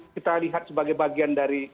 kita lihat sebagai bagian dari